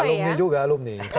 alumni juga alumni